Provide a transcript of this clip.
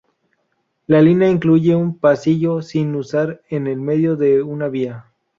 La línea incluye un pasillo sin usar en el medio de una vía.